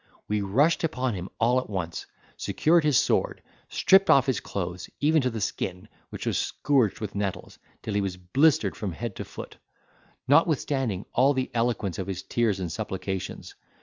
We rushed upon him all at once, secured his sword, stripped off his clothes even to the skin, which was scourged with nettles till he was blistered from head to foot, notwithstanding all the eloquence of his tears and supplications.